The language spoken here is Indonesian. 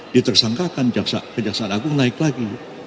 ditersangkakan kejaksaan agung naik lagi